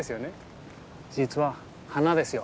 実は花ですよ。